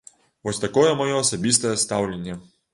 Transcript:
Вось такое маё асабістае стаўленне!